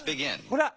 ほら。